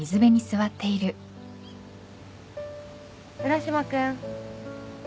・浦島君